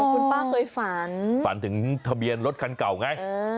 คุณป้าเคยฝันฝันถึงทะเบียนรถคันเก่าไง